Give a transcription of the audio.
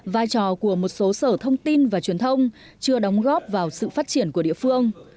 vai trò của một số sở thông tin và truyền thông chưa đóng góp vào sự phát triển của địa phương